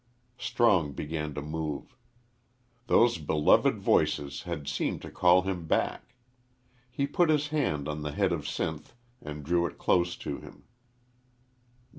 Strong began to move. Those beloved voices had seemed to call him back. He put his hand on the head of Sinth and drew it close to him.